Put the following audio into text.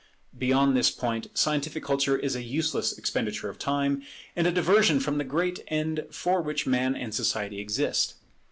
Beyond this point, scientific culture is a useless expenditure of time, and a diversion from the great end for which Man and Society exist.